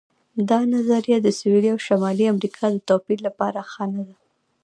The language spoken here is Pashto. دا نظریه د سویلي او شمالي امریکا د توپیر لپاره ښه نه ده.